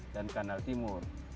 dan kanal timur